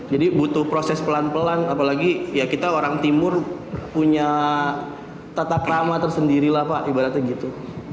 jadi butuh proses pelan pelan apalagi ya kita orang timur punya tatap ramah tersendiri lah pak ibaratnya gitu